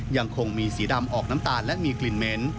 ยังคงมีสีดำออกน้ำตาลและมีกลิ่นเหม็น